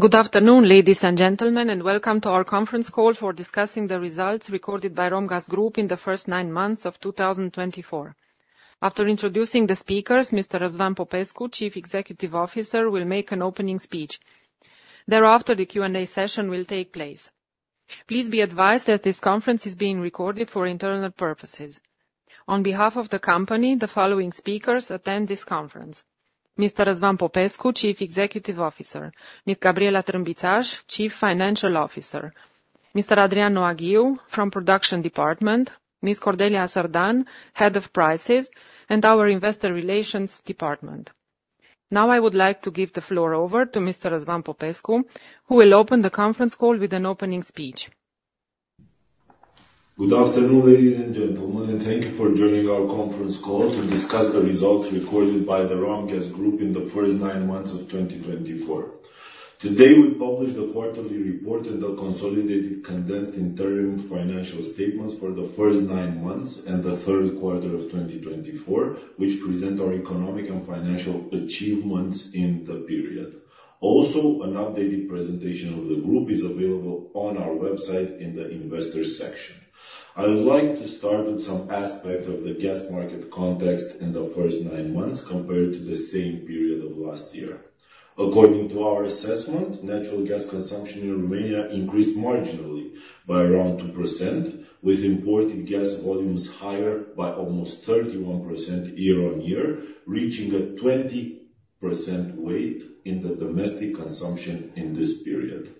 Good afternoon, ladies and gentlemen, and welcome to our conference call for discussing the results recorded by Romgaz Group in the first nine months of 2024. After introducing the speakers, Mr. Răzvan Popescu, Chief Executive Officer, will make an opening speech. Thereafter, the Q&A session will take place. Please be advised that this conference is being recorded for internal purposes. On behalf of the company, the following speakers attend this conference: Mr. Răzvan Popescu, Chief Executive Officer; Ms. Gabriela Trânbiţaş, Chief Financial Officer; Mr. Adrian Noaghiu, from Production Department; Ms. Cordelia Sardan, Head of Prices; and our Investor Relations Department. Now, I would like to give the floor over to Mr. Răzvan Popescu, who will open the conference call with an opening speech. Good afternoon, ladies and gentlemen, and thank you for joining our conference call to discuss the results recorded by the Romgaz Group in the first nine months of 2024. Today, we publish the quarterly report and the consolidated, condensed interim financial statements for the first nine months and the third quarter of 2024, which present our economic and financial achievements in the period. Also, an updated presentation of the group is available on our website in the Investors section. I would like to start with some aspects of the gas market context in the first nine months compared to the same period of last year. According to our assessment, natural gas consumption in Romania increased marginally by around 2%, with imported gas volumes higher by almost 31% year-on-year, reaching a 20% weight in the domestic consumption in this period.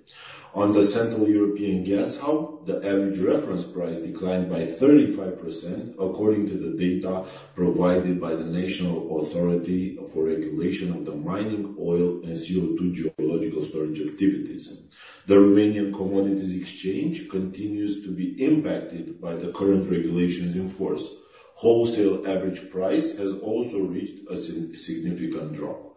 On the Central European Gas Hub, the average reference price declined by 35%, according to the data provided by the National Agency for Mineral Resources. The Romanian Commodities Exchange continues to be impacted by the current regulations in force. The wholesale average price has also reached a significant drop.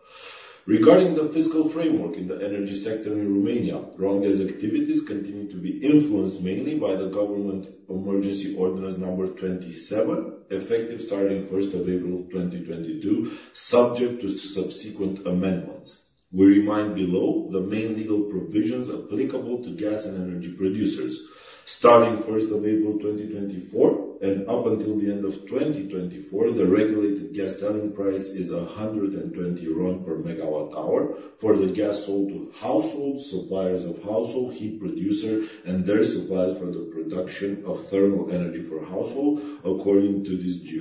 Regarding the fiscal framework in the energy sector in Romania, Romgaz activities continue to be influenced mainly by the Government Emergency Ordinance No. 27, effective starting 1 April 2022, subject to subsequent amendments. We remind below the main legal provisions applicable to gas and energy producers. Starting 1 April 2024 and up until the end of 2024, the regulated gas selling price is 120 RON per MWh for the gas sold to households, suppliers of household heat producers, and their suppliers for the production of thermal energy for households, according to this decree.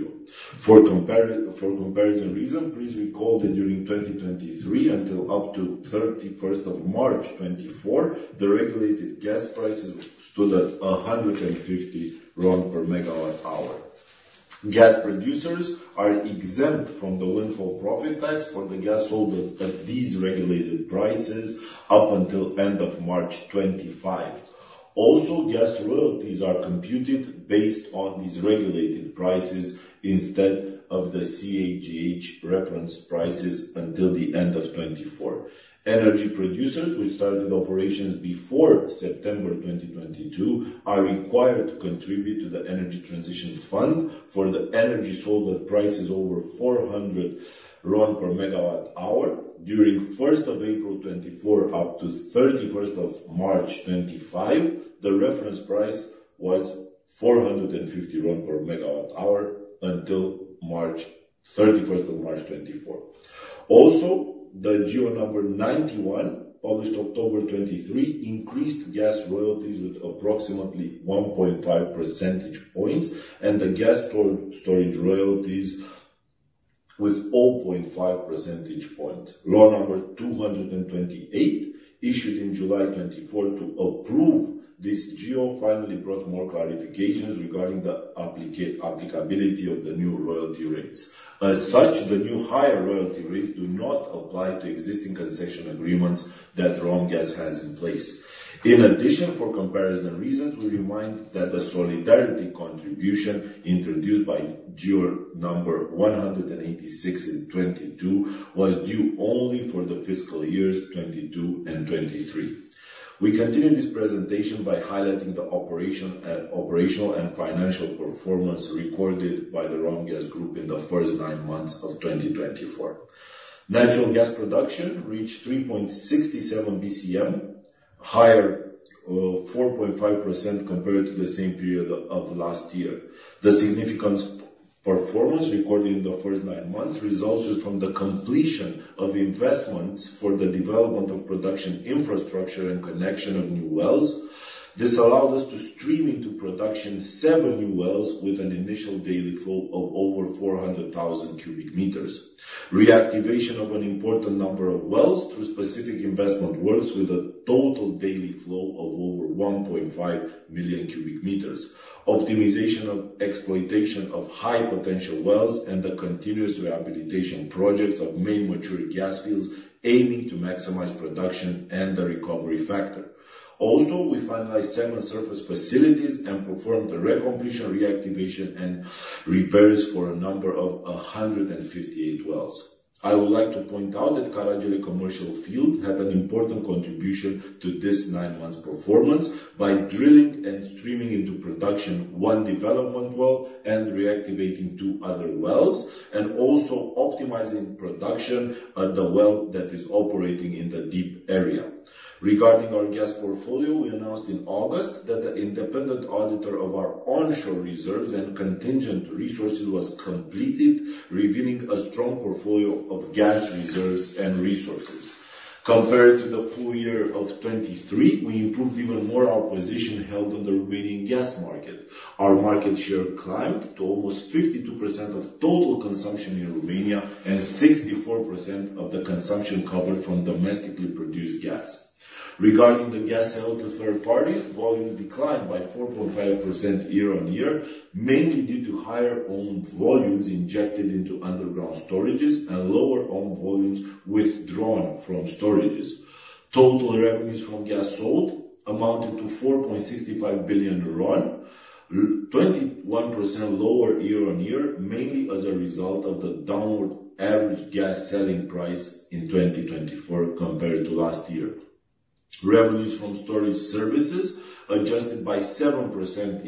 For comparison reasons, please recall that during 2023 until up to 31 March 2024, the regulated gas prices stood at RON 150 per MWh. Gas producers are exempt from the Windfall Profit Tax for the gas sold at these regulated prices up until the end of March 2025. Also, gas royalties are computed based on these regulated prices instead of the CEGH reference prices until the end of 2024. Energy producers, which started operations before September 2022, are required to contribute to the Energy Transition Fund for the energy sold at prices over RON 400 per MWh. During 1 April 2024 up to 31 March 2025, the reference price was RON 450 per MWh until 31 March 2024. Also, the Order No. 91, published October 2023, increased gas royalties with approximately 1.5 percentage points and the gas storage royalties with 0.5 percentage points. Law No. 228, issued in July 2024 to approve this OUG, finally brought more clarifications regarding the applicability of the new royalty rates. As such, the new higher royalty rates do not apply to existing concession agreements that Romgaz has in place. In addition, for comparison reasons, we remind that the solidarity contribution introduced by OUG No. 186 in 2022 was due only for the fiscal years 2022 and 2023. We continue this presentation by highlighting the operational and financial performance recorded by the Romgaz Group in the first nine months of 2024. Natural gas production reached 3.67 BCM, higher by 4.5% compared to the same period of last year. The significant performance recorded in the first nine months resulted from the completion of investments for the development of production infrastructure and connection of new wells. This allowed us to stream into production seven new wells with an initial daily flow of over 400,000 CBM. Reactivation of an important number of wells through specific investment works with a total daily flow of over 1.5 million CBM. Optimization of exploitation of high potential wells and the continuous rehabilitation projects of many mature gas fields aiming to maximize production and the recovery factor. Also, we finalized seven surface facilities and performed the recomposition, reactivation, and repairs for a number of 158 wells. I would like to point out that Caragele Commercial Field had an important contribution to this nine-month performance by drilling and streaming into production one development well and reactivating two other wells, and also optimizing production at the well that is operating in the deep area. Regarding our gas portfolio, we announced in August that the independent auditor of our onshore reserves and contingent resources was completed, revealing a strong portfolio of gas reserves and resources. Compared to the full year of 2023, we improved even more our position held on the Romanian gas market. Our market share climbed to almost 52% of total consumption in Romania and 64% of the consumption covered from domestically produced gas. Regarding the gas sale to third parties, volumes declined by 4.5% year-on-year, mainly due to higher-owned volumes injected into underground storages and lower-owned volumes withdrawn from storages. Total revenues from gas sold amounted to RON 4.65 billion, 21% lower year-on-year, mainly as a result of the downward average gas selling price in 2024 compared to last year. Revenues from storage services adjusted by 7%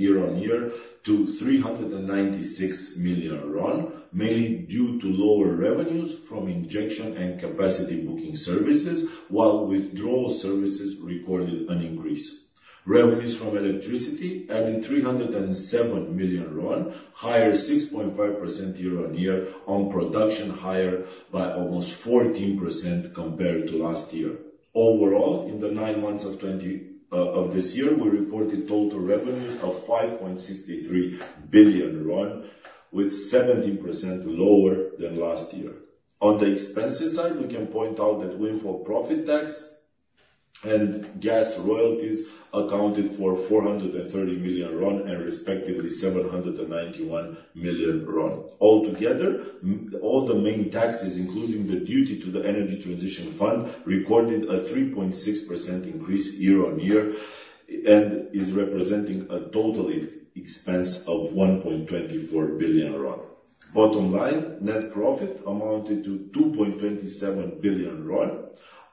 year-on-year to RON 396 million, mainly due to lower revenues from injection and capacity booking services, while withdrawal services recorded an increase. Revenues from electricity added RON 307 million, higher 6.5% year-on-year on production, higher by almost 14% compared to last year. Overall, in the nine months of this year, we reported total revenues of RON 5.63 billion, with 17% lower than last year. On the expenses side, we can point out that windfall profit tax and gas royalties accounted for RON 430 million and respectively RON 791 million. Altogether, all the main taxes, including the duty to the Energy Transition Fund, recorded a 3.6% increase year-on-year and is representing a total expense of RON 1.24 billion. Bottom line, net profit amounted to RON 2.27 billion,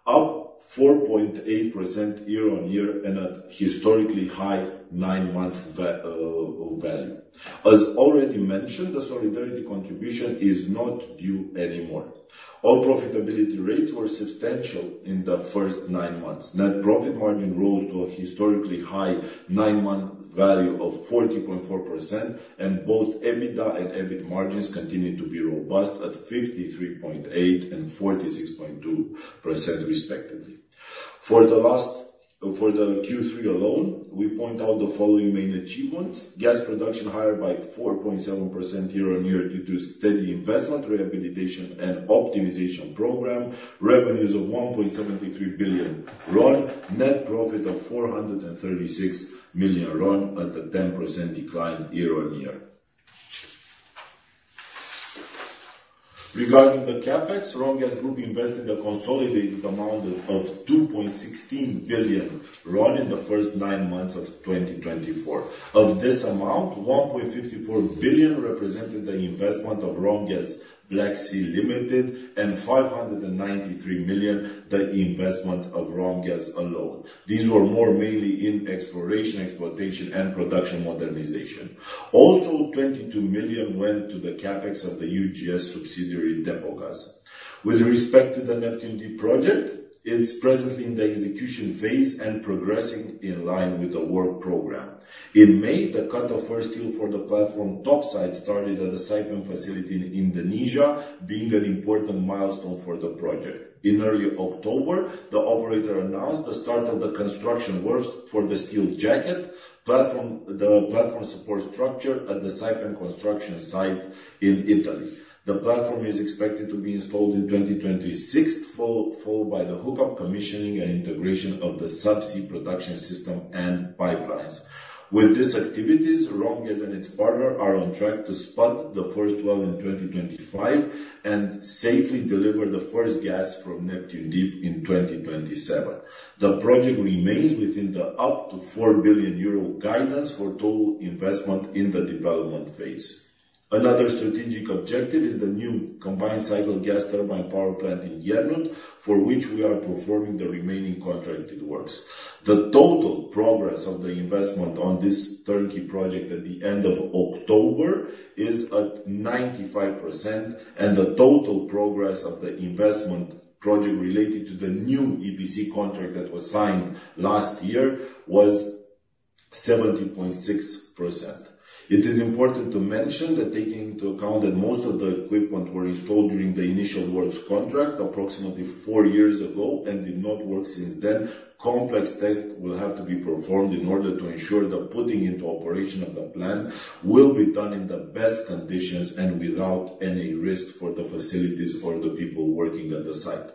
up 4.8% year-on-year and at historically high nine-month value. As already mentioned, the Solidarity Contribution is not due anymore. All profitability rates were substantial in the first nine months. Net profit margin rose to a historically high nine-month value of 40.4%, and both EBITDA and EBIT margins continue to be robust at 53.8% and 46.2% respectively. For the Q3 alone, we point out the following main achievements: gas production higher by 4.7% year-on-year due to steady investment, rehabilitation, and optimization program, revenues of RON 1.73 billion, net profit of RON 436 million at a 10% decline year-on-year. Regarding the CapEx, Romgaz Group invested a consolidated amount of RON 2.16 billion in the first nine months of 2024. Of this amount, 1.54 billion RON represented the investment of Romgaz Black Sea Limited and RON 593 million the investment of Romgaz alone. These were more mainly in exploration, exploitation, and production modernization. Also, RON 22 million went to the CapEx of the UGS subsidiary Depogaz. With respect to the Neptun Deep project, it's presently in the execution phase and progressing in line with the work program. In May, the cut of first steel for the platform topside started at the Saipem facility in Indonesia, being an important milestone for the project. In early October, the operator announced the start of the construction works for the steel jacket, the platform support structure at the Saipem construction site in Italy. The platform is expected to be installed in 2026, followed by the hookup, commissioning, and integration of the subsea production system and pipelines. With these activities, Romgaz and its partner are on track to spud the first well in 2025 and safely deliver the first gas from Neptun Deep in 2027. The project remains within the up to 4 billion euro guidance for total investment in the development phase. Another strategic objective is the new combined cycle gas turbine power plant in Iernut, for which we are performing the remaining contracted works. The total progress of the investment on this turnkey project at the end of October is at 95%, and the total progress of the investment project related to the new EPC contract that was signed last year was 70.6%. It is important to mention that taking into account that most of the equipment were installed during the initial works contract, approximately four years ago, and did not work since then, complex tests will have to be performed in order to ensure the putting into operation of the plant will be done in the best conditions and without any risk for the facilities or the people working at the site.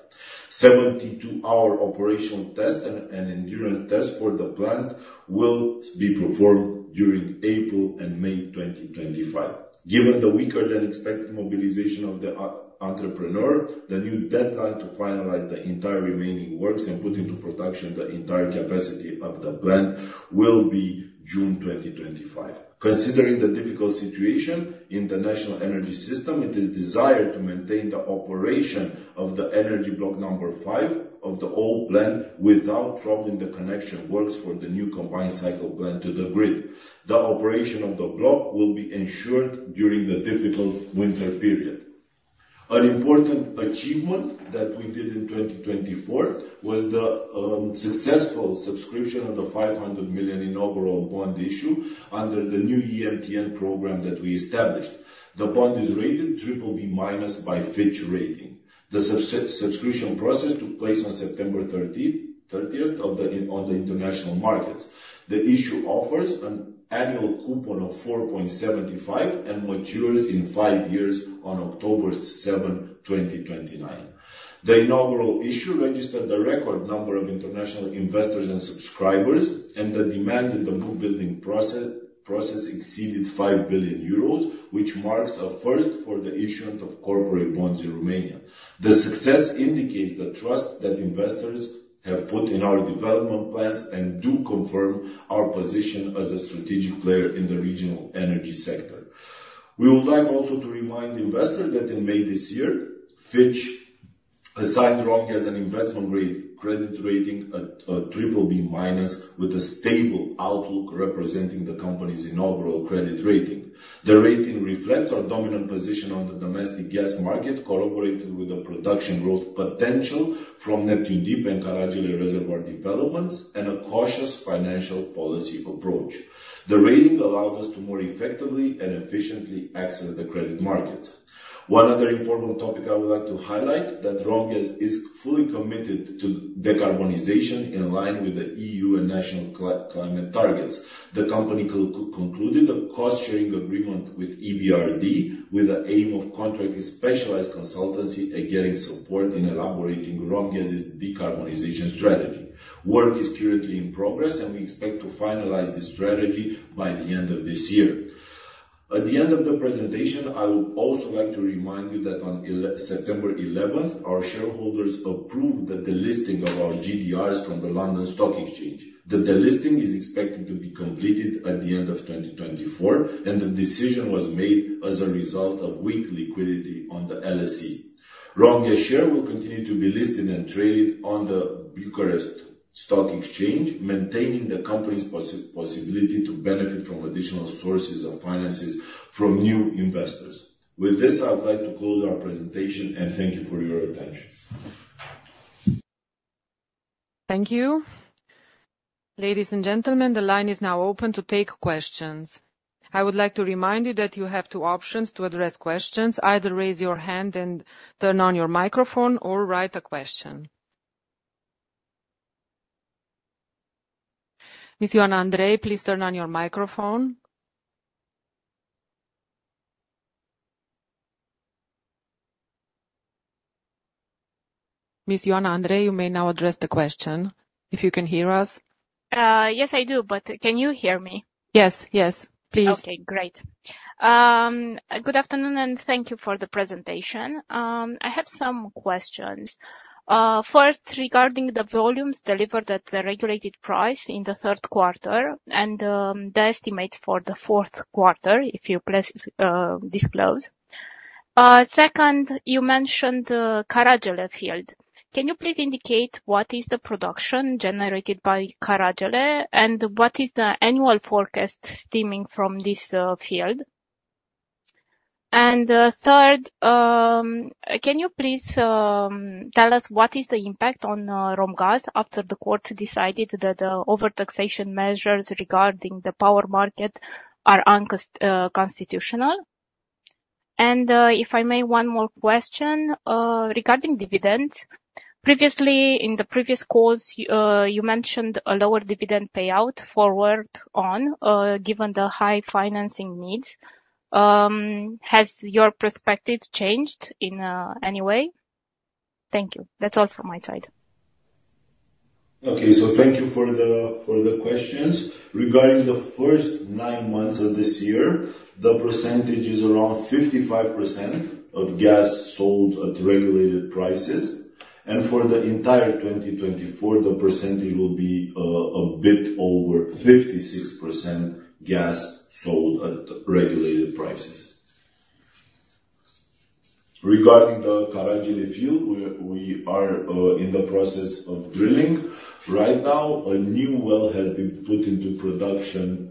72-hour operational tests and endurance tests for the plant will be performed during April and May 2025. Given the weaker-than-expected mobilization of the entrepreneur, the new deadline to finalize the entire remaining works and put into production the entire capacity of the plant will be June 2025. Considering the difficult situation in the national energy system, it is desired to maintain the operation of the energy block number five of the old plant without troubling the connection works for the new combined cycle plant to the grid. The operation of the block will be ensured during the difficult winter period. An important achievement that we did in 2024 was the successful subscription of the 500 million inaugural bond issue under the new EMTN program that we established. The bond is rated BBB- by Fitch Ratings. The subscription process took place on September 30th on the international markets. The issue offers an annual coupon of 4.75 and matures in five years on October 7, 2029. The inaugural issue registered the record number of international investors and subscribers, and the demand in the bookbuilding process exceeded 5 billion euros, which marks a first for the issuance of corporate bonds in Romania. The success indicates the trust that investors have put in our development plans and do confirm our position as a strategic player in the regional energy sector. We would like also to remind investors that in May this year, Fitch assigned Romgaz an investment credit rating at BBB- with a stable outlook representing the company's inaugural credit rating. The rating reflects our dominant position on the domestic gas market, corroborated with the production growth potential from Neptun Deep and Caragele Reservoir developments, and a cautious financial policy approach. The rating allowed us to more effectively and efficiently access the credit markets. One other important topic I would like to highlight is that Romgaz is fully committed to decarbonization in line with the EU and national climate targets. The company concluded a cost-sharing agreement with EBRD with the aim of contracting specialized consultancy and getting support in elaborating Romgaz's decarbonization strategy. Work is currently in progress, and we expect to finalize the strategy by the end of this year. At the end of the presentation, I would also like to remind you that on September 11th, our shareholders approved the delisting of our GDRs from the London Stock Exchange. The delisting is expected to be completed at the end of 2024, and the decision was made as a result of weak liquidity on the LSE. Romgaz share will continue to be listed and traded on the Bucharest Stock Exchange, maintaining the company's possibility to benefit from additional sources of finances from new investors. With this, I would like to close our presentation and thank you for your attention. Thank you. Ladies and gentlemen, the line is now open to take questions. I would like to remind you that you have two options to address questions: either raise your hand and turn on your microphone or write a question. Ms. Ioana Andrei, please turn on your microphone. Ms. Ioana Andrei, you may now address the question. If you can hear us. Yes, I do, but can you hear me? Yes, yes, please. Okay, great. Good afternoon and thank you for the presentation. I have some questions. First, regarding the volumes delivered at the regulated price in the third quarter and the estimates for the fourth quarter, if you please disclose. Second, you mentioned Caragele field. Can you please indicate what is the production generated by Caragele and what is the annual forecast stemming from this field? And third, can you please tell us what is the impact on Romgaz after the courts decided that the overtaxation measures regarding the power market are unconstitutional? And if I may, one more question regarding dividends. Previously, in the previous calls, you mentioned a lower dividend payout forward on given the high financing needs. Has your perspective changed in any way? Thank you. That's all from my side. Okay, so thank you for the questions. Regarding the first nine months of this year, the percentage is around 55% of gas sold at regulated prices. For the entire 2024, the percentage will be a bit over 56% gas sold at regulated prices. Regarding the Caragele field, we are in the process of drilling. Right now, a new well has been put into production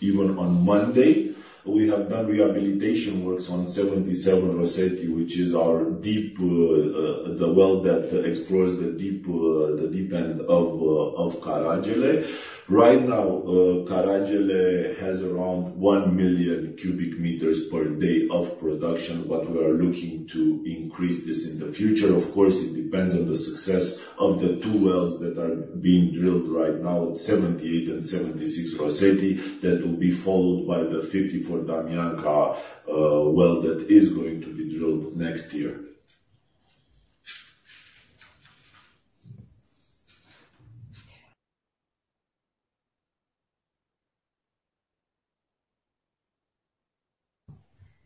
even on Monday. We have done rehabilitation works on 77 Rosetti, which is our deep, the well that explores the deep end of Caragele. Right now, Caragele has around 1 million CBM per day of production, but we are looking to increase this in the future. Of course, it depends on the success of the two wells that are being drilled right now at 78 and 76 Rosetti that will be followed by the 54 Damianca well that is going to be drilled next year.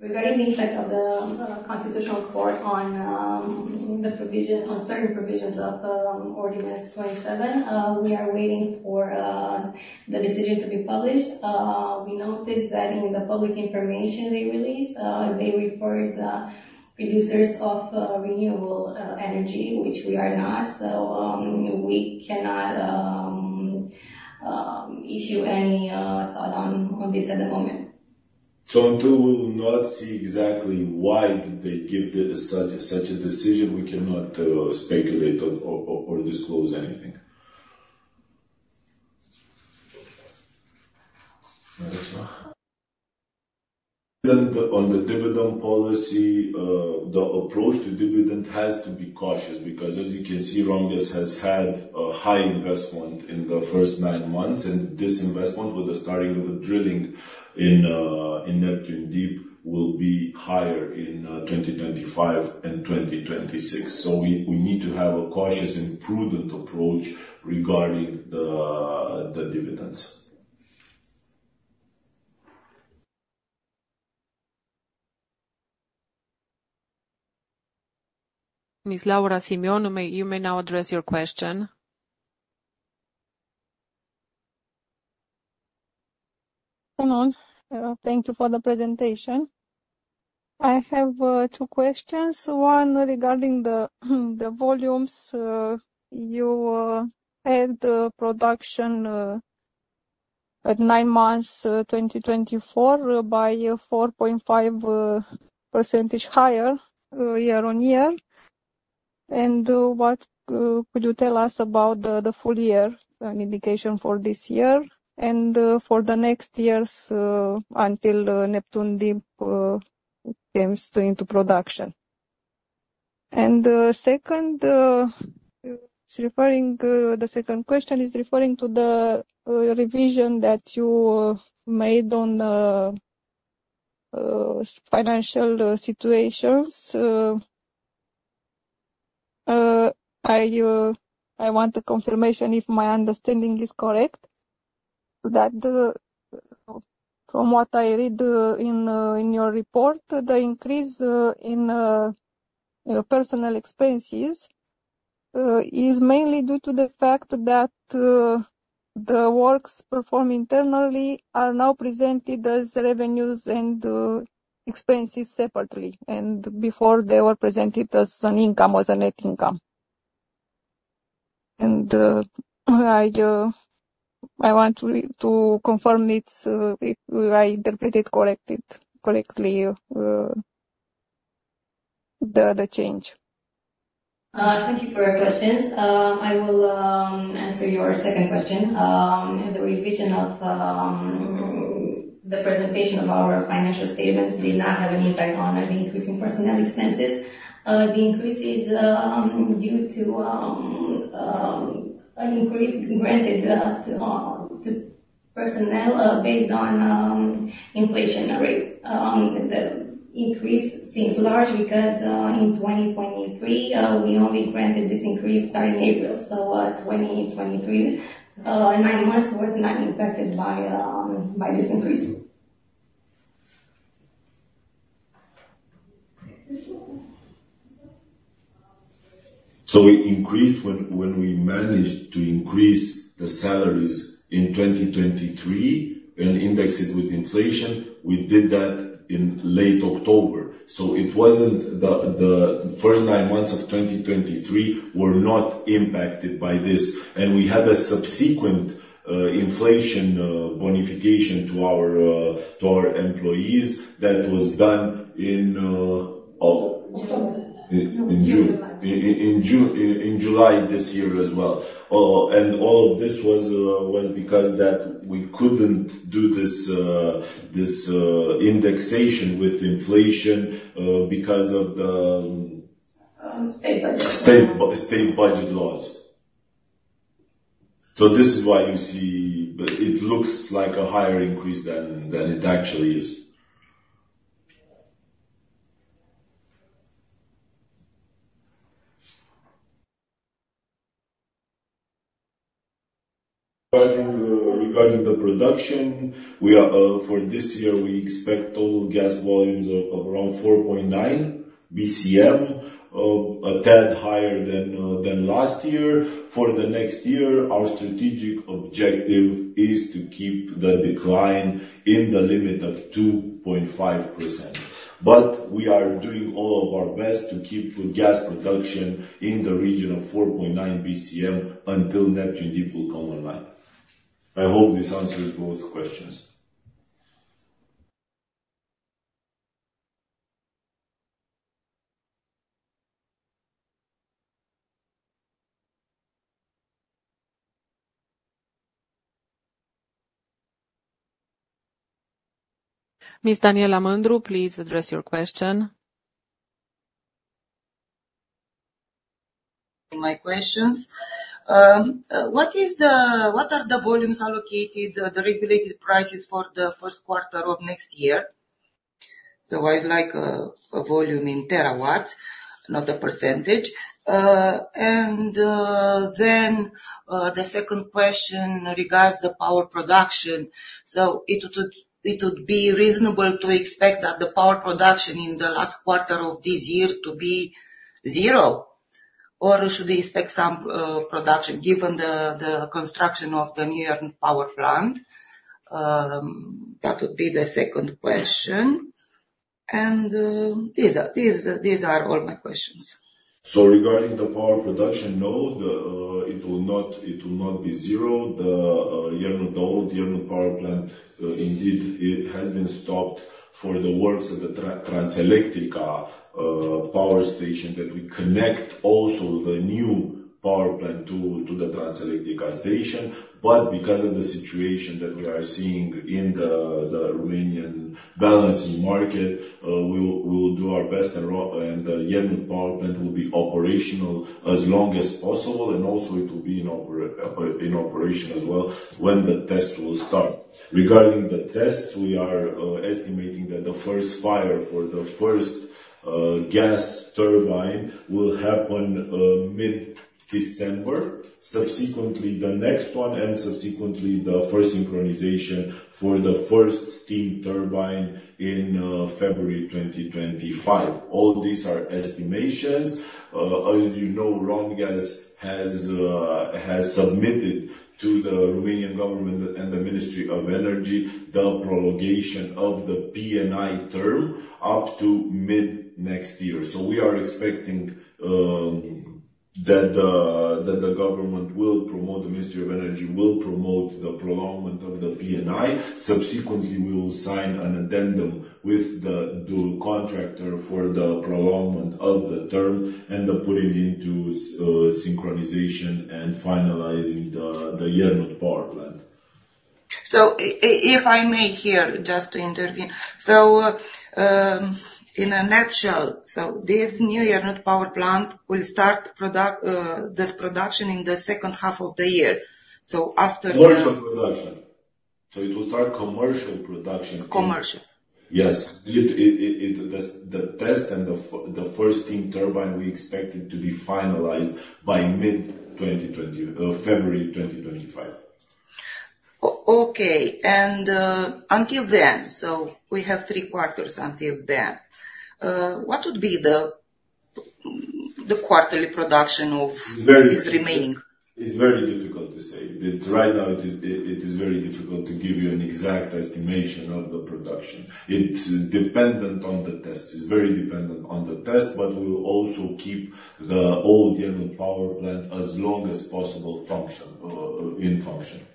Regarding the impact of the constitutional court on the provision, on certain provisions of GEO 27, we are waiting for the decision to be published. We noticed that in the public information they released, they referred to the producers of renewable energy, which we are not, so we cannot issue any thought on this at the moment. So until we will not see exactly why they give such a decision, we cannot speculate or disclose anything. On the dividend policy, the approach to dividend has to be cautious because, as you can see, Romgaz has had a high investment in the first nine months, and this investment with the starting of the drilling in Neptun Deep will be higher in 2025 and 2026. So we need to have a cautious and prudent approach regarding the dividends. Ms. Laura Simion, you may now address your question. Hello. Thank you for the presentation. I have two questions. One regarding the volumes you had production at nine months 2024 by 4.5% higher year on year. What could you tell us about the full year indication for this year and for the next years until Neptun Deep comes into production? And second, referring the second question is referring to the revision that you made on financial statements. I want a confirmation if my understanding is correct that from what I read in your report, the increase in personnel expenses is mainly due to the fact that the works performed internally are now presented as revenues and expenses separately and before they were presented as an income or as a net income. And I want to confirm if I interpreted correctly the change. Thank you for your questions. I will answer your second question. The revision of the presentation of our financial statements did not have an impact on the increase in personnel expenses. The increase is due to an increase granted to personnel based on inflation rate. The increase seems large because in 2023, we only granted this increase starting in April. So 2023, nine months was not impacted by this increase. So we increased when we managed to increase the salaries in 2023 and index it with inflation. We did that in late October. So it wasn't the first nine months of 2023 were not impacted by this. And we had a subsequent inflation bonification to our employees that was done in July, in July this year as well. And all of this was because that we couldn't do this indexation with inflation because of the state budget laws. So this is why you see it looks like a higher increase than it actually is. Regarding the production, for this year, we expect total gas volumes of around 4.9 BCM, a tad higher than last year. For the next year, our strategic objective is to keep the decline in the limit of 2.5%. But we are doing all of our best to keep gas production in the region of 4.9 BCM until Neptun Deep will come online. I hope this answers both questions. Ms. Daniela Mândru, please address your question. My questions. What are the volumes allocated, the regulated prices for the first quarter of next year? So I'd like a volume in terawatts, not a percentage. And then the second question regards the power production. So it would be reasonable to expect that the power production in the last quarter of this year to be zero, or should we expect some production given the construction of the new power plant? That would be the second question. And these are all my questions. So regarding the power production node, it will not be zero. The Iernut Old Iernut Power Plant, indeed, it has been stopped for the works at the Transelectrica power station that we connect also the new power plant to the Transelectrica station. But because of the situation that we are seeing in the Romanian balancing market, we will do our best, and the Iernut Power Plant will be operational as long as possible. And also, it will be in operation as well when the tests will start. Regarding the tests, we are estimating that the first fire for the first gas turbine will happen mid-December, subsequently the next one, and subsequently the first synchronization for the first steam turbine in February 2025. All these are estimations. As you know, Romgaz has submitted to the Romanian government and the Ministry of Energy the prolongation of the P&I term up to mid-next year. So we are expecting that the government will promote, the Ministry of Energy will promote the prolongation of the P&I. Subsequently, we will sign an addendum with the contractor for the prolongation of the term and the putting into synchronization and finalizing the Iernut Power Plant. So if I may here, just to intervene, so in a nutshell, so this new Iernut Power Plant will start this production in the second half of the year. So after. Commercial production. So it will start commercial production. Commercial. Yes. The test and the first steam turbine, we expect it to be finalized by mid-February 2025. Okay. And until then, so we have three quarters until then, what would be the quarterly production of this remaining? It's very difficult to say. Right now, it is very difficult to give you an exact estimation of the production. It's dependent on the tests. It's very dependent on the tests, but we will also keep the old Iernut Power Plant as long as possible in function.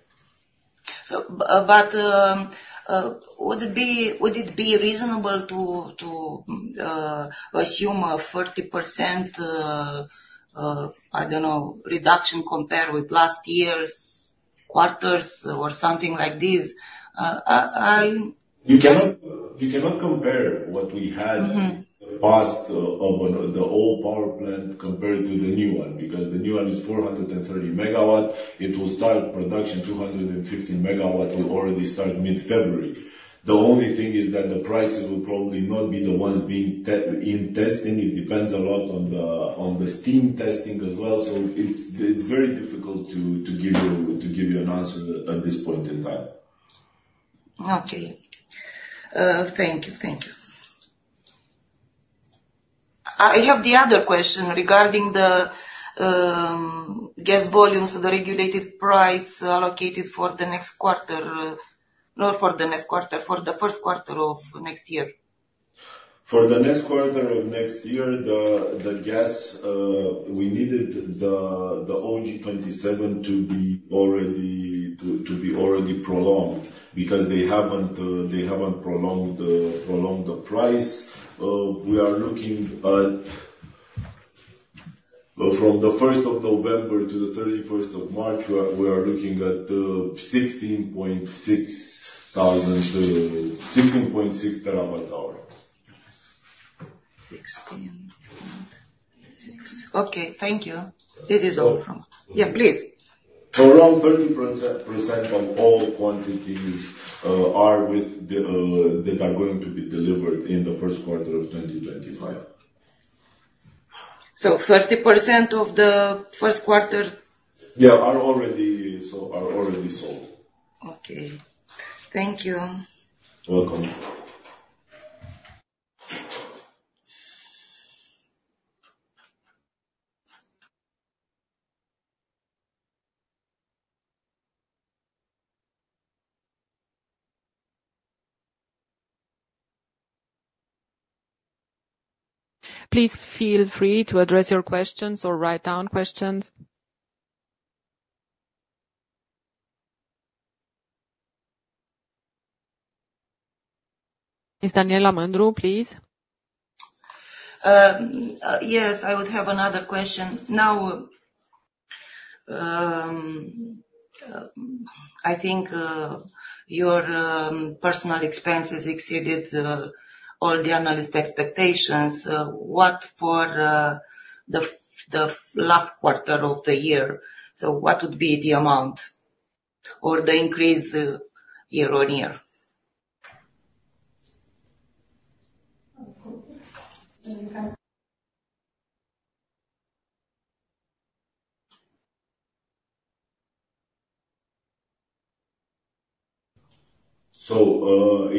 But would it be reasonable to assume a 40%, I don't know, reduction compared with last year's quarters or something like this? You cannot compare what we had past the old power plant compared to the new one because the new one is 430 megawatts. It will start production. 250 MW will already start mid-February. The only thing is that the prices will probably not be the ones being tested. It depends a lot on the steam testing as well. So it's very difficult to give you an answer at this point in time. Okay. Thank you. Thank you. I have the other question regarding the gas volumes, the regulated price allocated for the next quarter, not for the next quarter, for the first quarter of next year. For the next quarter of next year, the gas, we needed the GEO 27 to be already prolonged because they haven't prolonged the price. We are looking at from the 1st of November to the 31st of March, we are looking at 16.6 TWh. 16.6. Okay. Thank you. This is all from. Yeah, please. Around 30% of all quantities that are going to be delivered in the first quarter of 2025. So 30% of the first quarter? Yeah, are already sold. Okay. Thank you. Welcome. Please feel free to address your questions or write down questions. Ms. Daniela Mândru, please. Yes, I would have another question. Now, I think your personnel expenses exceeded all the analyst expectations. What for the last quarter of the year? So what would be the amount or the increase year on year? So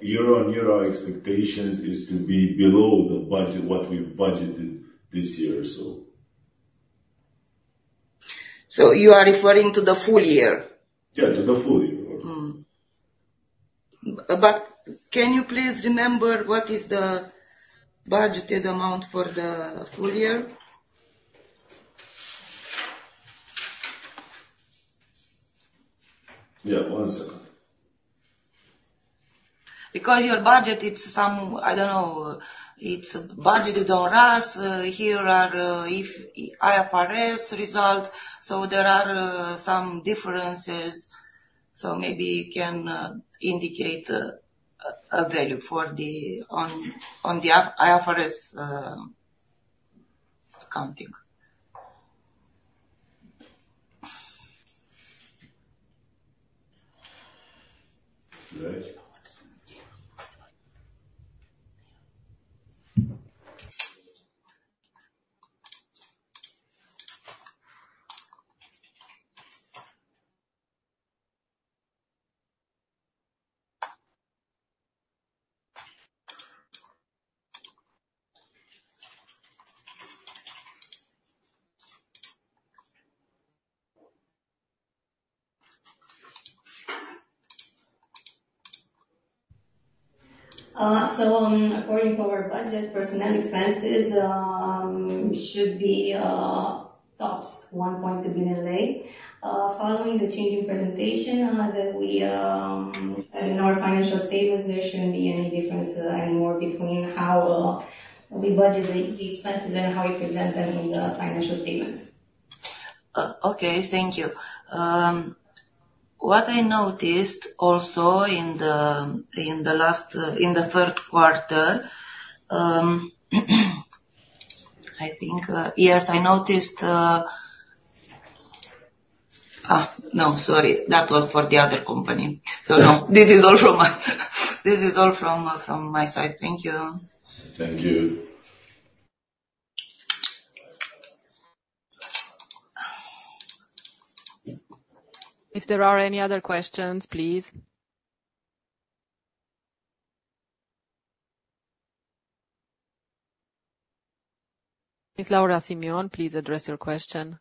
year on year, our expectation is to be below what we've budgeted this year, so. So you are referring to the full year? Yeah, to the full year. But can you please remember what is the budgeted amount for the full year? Yeah, one second. Because your budget, I don't know, it's budgeted on RAS; here are IFRS results. So there are some differences. So maybe you can indicate a value for the IFRS accounting. So according to our budget, personnel expenses should be tops RON 1.2 billion. Following the changing presentation that we in our financial statements, there shouldn't be any difference anymore between how we budget the expenses and how we present them in the financial statements. Okay. Thank you. What I noticed also in the last, in the third quarter, I think, yes, I noticed no, sorry, that was for the other company. So no, this is all from my side. Thank you. Thank you. If there are any other questions, please. Ms. Laura Simion, please address your question.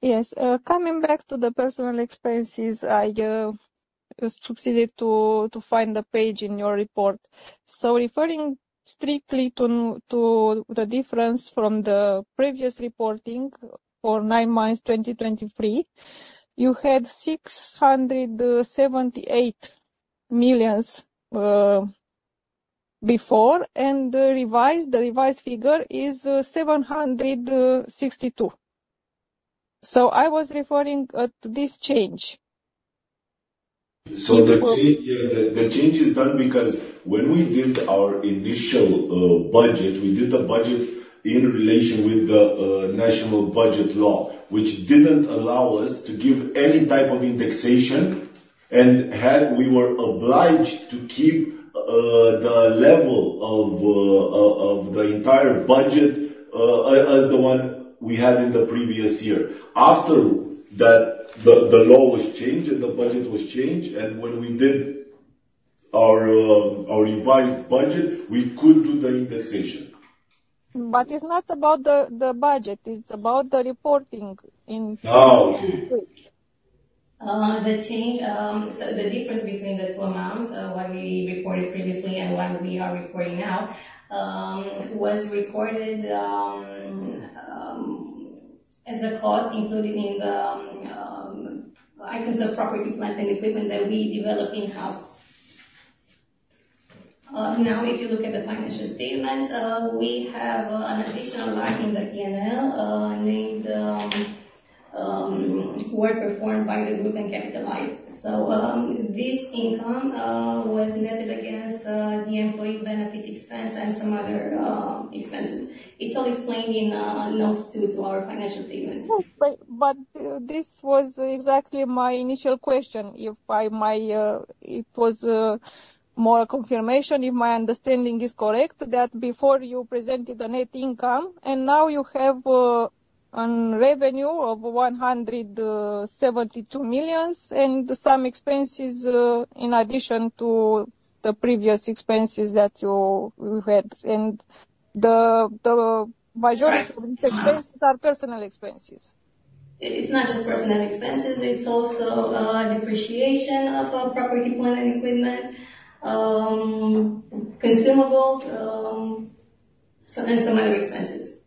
Yes. Coming back to the personal expenses, I succeeded to find the page in your report. So referring strictly to the difference from the previous reporting for nine months 2023, you had RON 678 million before, and the revised figure is RON 762 million. So I was referring to this change. The change is done because when we did our initial budget, we did the budget in relation with the national budget law, which didn't allow us to give any type of indexation, and we were obliged to keep the level of the entire budget as the one we had in the previous year. After that, the law was changed and the budget was changed. And when we did our revised budget, we could do the indexation. But it's not about the budget. It's about the reporting in. Oh, okay. The difference between the two amounts, what we reported previously and what we are reporting now, was recorded as a cost included in the items of property, plants, and equipment that we developed in-house. Now, if you look at the financial statements, we have an additional line in the P&L named work performed by the group and capitalized. This income was netted against the employee benefit expense and some other expenses. It's all explained in notes to our financial statements. But this was exactly my initial question, if I may. It was more a confirmation, if my understanding is correct, that before you presented the net income, and now you have a revenue of RON 172 million and some expenses in addition to the previous expenses that you had. And the majority of these expenses are personnel expenses. It's not just personnel expenses. It's also depreciation of property, plant, and equipment, consumables, and some other expenses.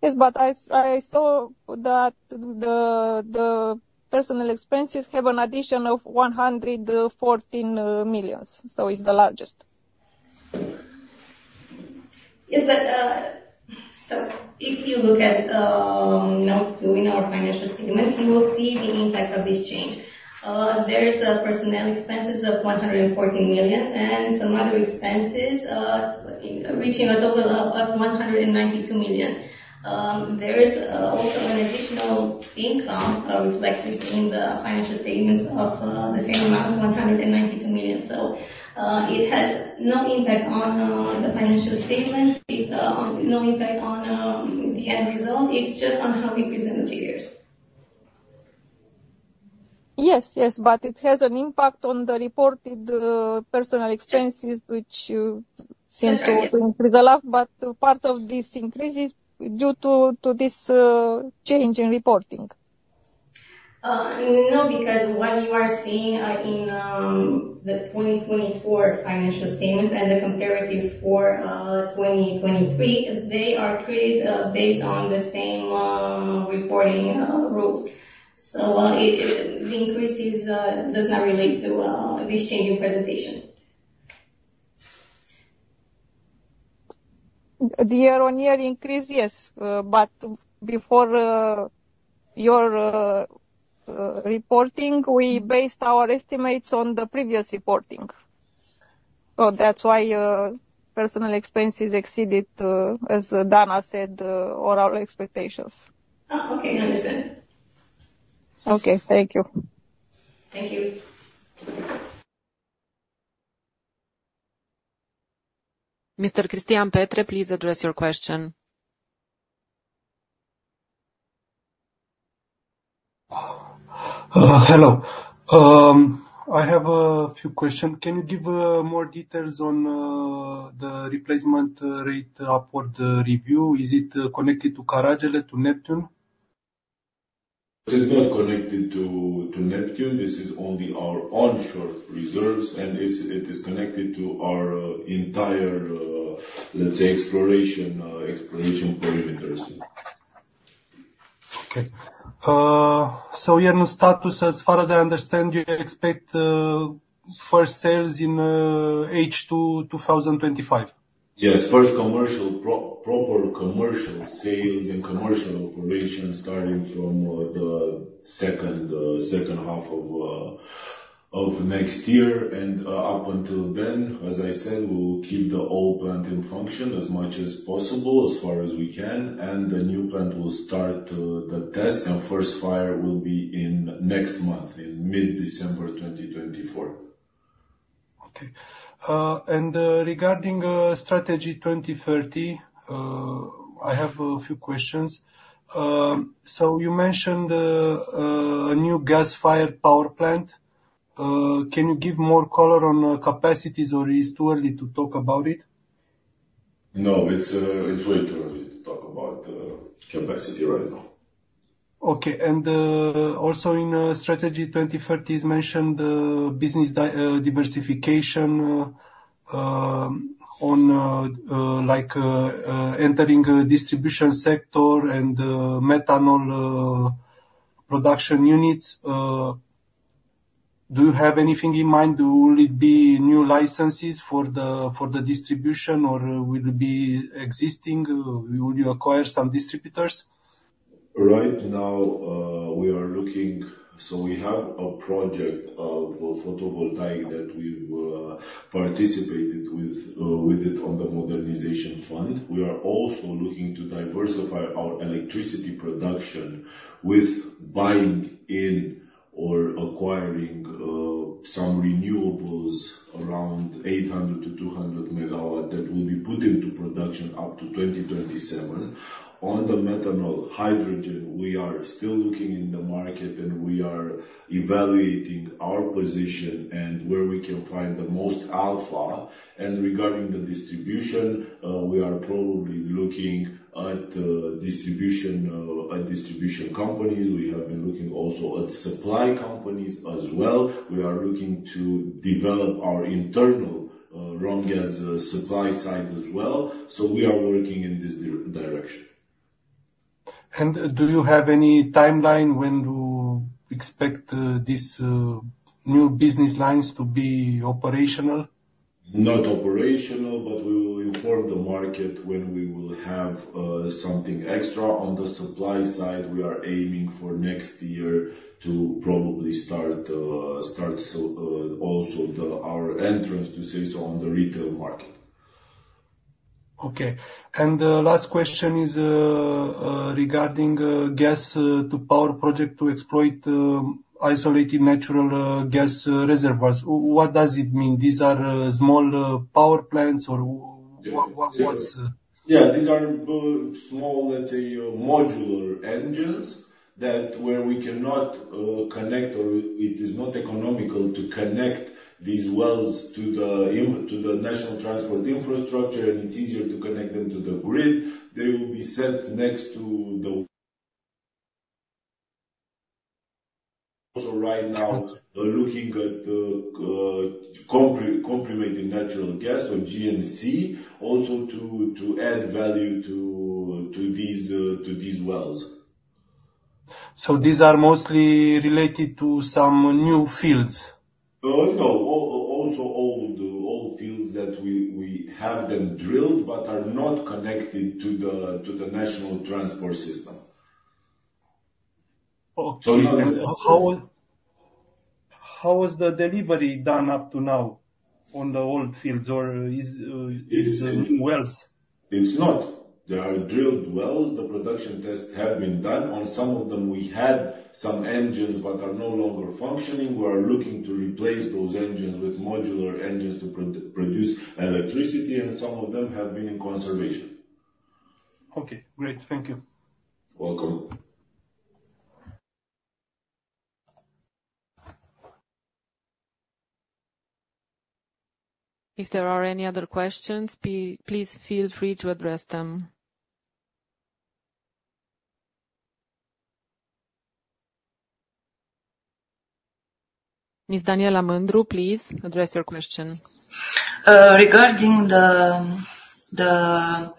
Yes, but I saw that the personnel expenses have an addition of RON 114 million. So it's the largest. Yes. So if you look at notes to our financial statements, you will see the impact of this change. There's personnel expenses of RON 114 million and some other expenses reaching a total of RON 192 million. There's also an additional income reflected in the financial statements of the same amount, RON 192 million, so it has no impact on the financial statements, no impact on the end result. It's just on how we present the figures. Yes, yes, but it has an impact on the reported personnel expenses, which seems to increase a lot, but part of this increase is due to this change in reporting. No, because what you are seeing in the 2024 financial statements and the comparative for 2023, they are created based on the same reporting rules, so the increase does not relate to this change in presentation. The year-on-year increase, yes, but before your reporting, we based our estimates on the previous reporting, so that's why personnel expenses exceeded, as Dana said, our expectations. Oh, okay. I understand. Okay. Thank you. Thank you. Mr. Cristian Petre, please address your question. Hello. I have a few questions. Can you give more details on the replacement rate upward review? Is it connected to Caragele, to Neptun? It is not connected to Neptun. This is only our onshore reserves, and it is connected to our entire, let's say, exploration perimeters. Okay. So Iernut status, as far as I understand, you expect first sales in H2 2025? Yes. First proper commercial sales and commercial operations starting from the second half of next year. And up until then, as I said, we will keep the old plant in function as much as possible as far as we can. And the new plant will start the test, and first fire will be in next month, in mid-December 2024. Okay. And regarding Strategy 2030, I have a few questions. You mentioned a new gas-fired power plant. Can you give more color on capacities, or is it too early to talk about it? No, it's way too early to talk about capacity right now. Okay. In Strategy 2030, you mentioned business diversification on entering distribution sector and methanol production units. Do you have anything in mind? Will it be new licenses for the distribution, or will it be existing? Will you acquire some distributors? Right now, we are looking so we have a project of photovoltaic that we've participated with it on the modernization fund. We are also looking to diversify our electricity production with buying in or acquiring some renewables around 800-200 MW that will be put into production up to 2027. On the methanol, hydrogen, we are still looking in the market, and we are evaluating our position and where we can find the most alpha. And regarding the distribution, we are probably looking at distribution companies. We have been looking also at supply companies as well. We are looking to develop our internal LNG as a supply side as well. So we are working in this direction. And do you have any timeline when to expect these new business lines to be operational? Not operational, but we will inform the market when we will have something extra. On the supply side, we are aiming for next year to probably start also our entrance, to say so, on the retail market. Okay. And the last question is regarding gas-to-power project to exploit isolated natural gas reservoirs. What does it mean? These are small power plants or what's? Yeah. These are small, let's say, modular engines where we cannot connect, or it is not economical to connect these wells to the national transport infrastructure, and it's easier to connect them to the grid. They will be sent next to them. Also, right now, looking at complementing natural gas or GNC also to add value to these wells. These are mostly related to some new fields? No. Also old fields that we have them drilled but are not connected to the national transport system. It's not. How was the delivery done up to now on the old fields or wells? It's not. There are drilled wells. The production tests have been done. On some of them, we had some engines but are no longer functioning. We are looking to replace those engines with modular engines to produce electricity, and some of them have been in conservation. Okay. Great. Thank you. Welcome. If there are any other questions, please feel free to address them. Ms. Daniela Mândru, please address your question. Regarding the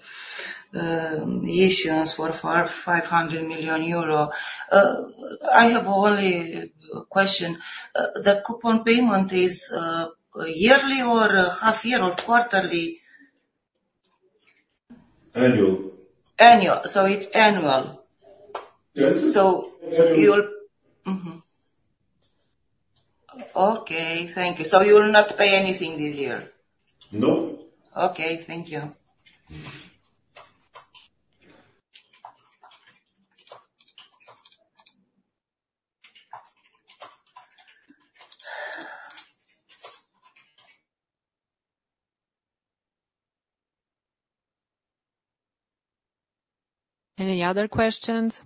issues for 500 million euro, I have only a question. The coupon payment is yearly or half-year or quarterly? Annual. Annual. So it's annual. So you'll, okay. Thank you. So you will not pay anything this year? No. Okay. Thank you. Any other questions?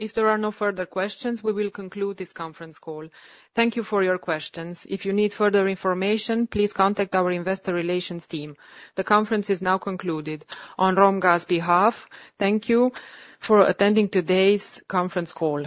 If there are no further questions, we will conclude this conference call. Thank you for your questions. If you need further information, please contact our investor relations team. The conference is now concluded. On Romgaz's behalf, thank you for attending today's conference call.